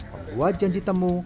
ketua janji temu